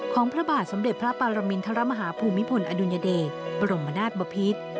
พระบาทสมเด็จพระปรมินทรมาฮาภูมิพลอดุลยเดชบรมนาศบพิษ